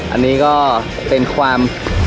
อันนี้ก็เป็นความ